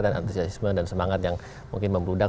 dan antusiasisme dan semangat yang mungkin membrudak